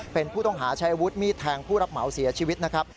เป็นผู้ต้องหาใช้อาวุธมีดแทงผู้รับเหมาเสียชีวิตนะครับ